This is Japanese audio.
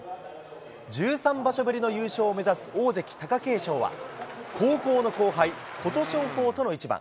１３場所ぶりの優勝を目指す大関・貴景勝は、高校の後輩、琴勝峰との一番。